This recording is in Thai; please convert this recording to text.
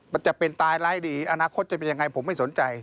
มันจะเป็นตายร้ายดีอนาคตจะเป็นยังไงผมไม่สนใจ